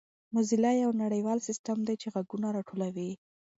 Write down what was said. موزیلا یو نړیوال سیسټم دی چې ږغونه راټولوي.